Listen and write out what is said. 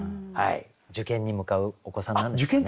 受験に向かうお子さんなんでしょうかね。